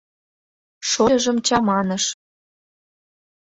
Шольыжым чаманыш.